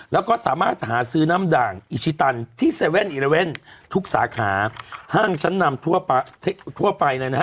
แล้วก็สามารถหาซื้อน้ำด่างอิชิตันที่เซเว่นอิเลเว่นทุกสาขาห้างชั้นนำทั่วประทับทั่วไปเลยนะฮะ